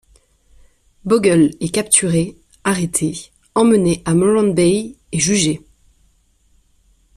Bogle est capturé, arrêté, emmené à Morant Bay et jugé.